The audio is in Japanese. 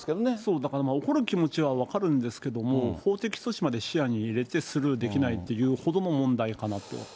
だから怒る気持ちは分かるんですけど、法的措置まで視野に入れてスルーできないっていうほどの問題かな